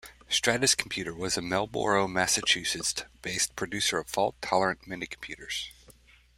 Stratus Computer was a Marlborough, Massachusetts, based producer of fault tolerant minicomputers.